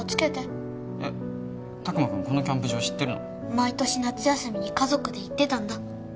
毎年夏休みに家族で行ってたんだ。